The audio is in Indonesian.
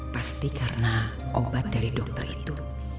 pasti karena obat dari dokter itu